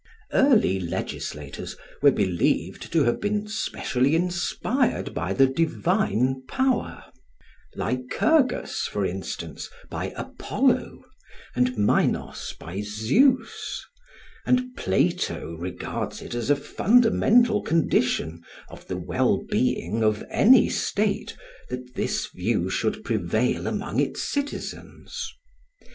Early legislators were believed to have been specially inspired by the divine power Lycurgus, for instance, by Apollo, and Minos by Zeus; and Plato regards it as a fundamental condition of the well being of any state that this view should prevail among its citizens.